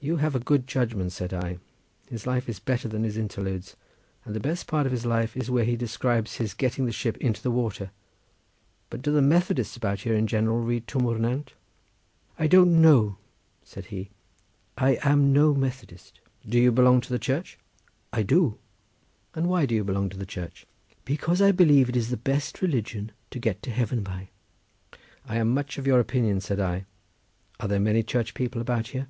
"You have a good judgment," said I; "his life is better than his interludes, and the best part of his life is where he describes his getting the ship into the water. But do the Methodists about here in general read Twm O'r Nant?" "I don't know," said he; "I am no Methodist." "Do you belong to the Church?" "I do." "And why do you belong to the Church?" "Because I believe it is the best religion to get to heaven by." "I am much of your opinion," said I. "Are there many Church people about here?"